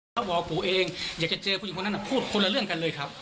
เขาบอกปู่เองอยากจะเจอผู้หญิงคนนั้นพูดคนละเรื่องกันเลยครับ